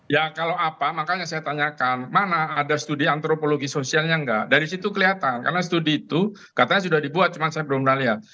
ya kalau apa makanya saya tanyakan mana ada studi antropologi sosialnya enggak dari situ kelihatan karena studi itu katanya sudah dibuat cuma saya belum pernah lihat